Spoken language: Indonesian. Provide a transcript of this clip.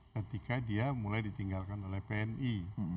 ketika dia mulai ditinggalkan oleh pni